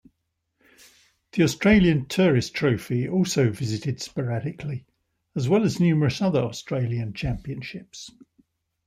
The Australian Tourist Trophy also visited sporadically as well as numerous other Australian Championships.